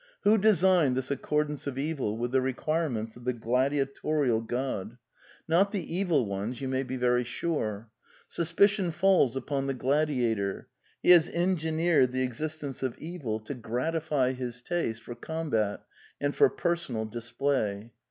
Who designed this accordance of evil with the requirements of the gladiatorial God ? Not the Evil Ones, you may be very sure. Suspicion falls upon the gladiator. He has engineered the existence of Evil to gratify his taste for combat and for personal display.